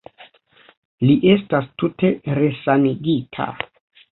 Li estas tute resanigita.